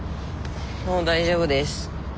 もう大丈夫です。